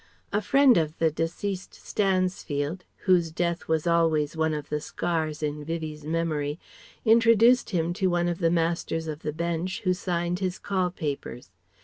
A friend of the deceased Stansfield whose death was always one of the scars in Vivie's memory introduced him to one of the Masters of the Bench who signed his "call" papers.